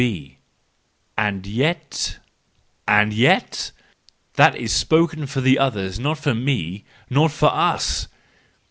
B: "And yet? And yet? That is spoken for the others; not for me, not for us!